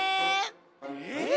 えっ！？